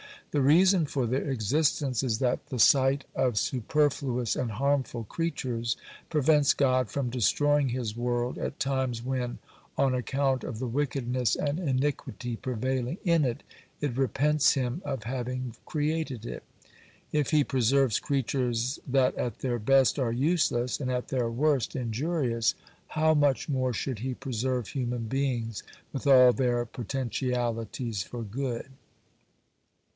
The reason for their existence is that the sight of superfluous and harmful creatures prevents God from destroying His world at times when, on account of the wickedness and iniquity prevailing in it, it repents Him of having created it. If He preserves creatures that at their best are useless, and at their worst injurious, how much more should He preserve human beings with all their potentialities for good.